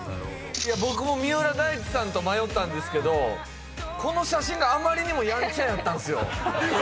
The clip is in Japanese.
僕も三浦大知さんと迷ったんですけどこの写真があまりにもやんちゃやったんですよ。